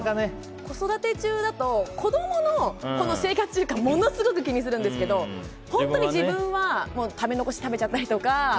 子育て中だと子供の生活習慣をものすごく気にするんですけど本当に自分は食べ残しを食べちゃったりとか。